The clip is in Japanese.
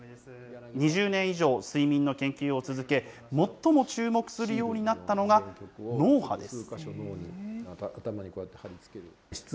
２０年以上睡眠の研究を続け、最も注目するようになったのが、脳波です。